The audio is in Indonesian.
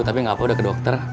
tapi nggak apa udah ke dokter